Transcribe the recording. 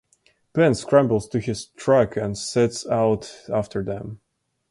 Ben scrambles to his truck and sets out after them.